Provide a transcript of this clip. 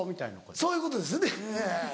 そういうことですよねええ。